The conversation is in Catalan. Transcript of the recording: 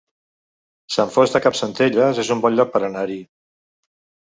Sant Fost de Campsentelles es un bon lloc per anar-hi